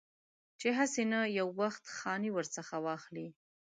چې هسې نه یو وخت خاني ورڅخه واخلي.